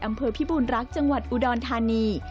อำเภอพิบูรณรักษ์จังหวัดอุดรธานี